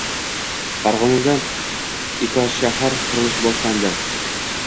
Farg‘onada ekoshahar qurilishi boshlanding